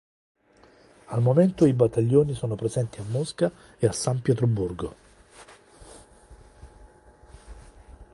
Al momento i battaglioni sono presenti a Mosca e a San Pietroburgo.